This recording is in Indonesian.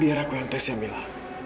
biar aku yang tesnya mila